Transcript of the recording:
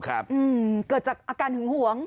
เกิดจากอาการหึงหวง